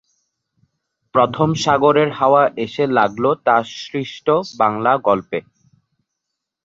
প্রথম সাগরের হাওয়া এসে লাগল তার সৃষ্ট বাংলা গল্পে।